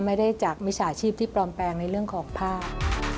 ไม่ได้จากมิจฉาชีพที่ปลอมแปลงในเรื่องของผ้า